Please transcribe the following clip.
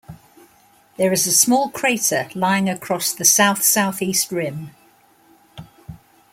There is a small crater lying across the south-southeast rim.